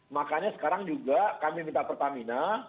makanya sekarang juga kami minta pertamina